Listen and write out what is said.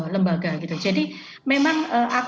lembaga jadi memang